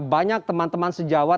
banyak teman teman sejawat